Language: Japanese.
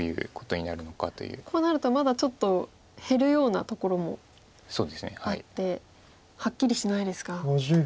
こうなるとまだちょっと減るようなところもあってはっきりしないですか。